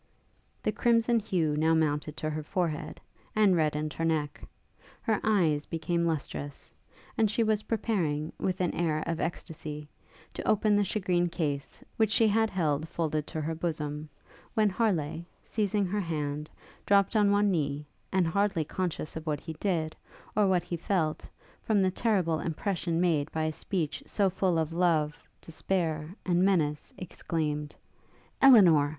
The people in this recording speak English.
The crimson hue now mounted to her forehead, and reddened her neck: her eyes became lustrous; and she was preparing, with an air of extacy, to open the shagreen case, which she had held folded to her bosom, when Harleigh, seizing her hand, dropt on one knee, and, hardly conscious of what he did, or what he felt, from the terrible impression made by a speech so full of love, despair, and menace, exclaimed, 'Elinor!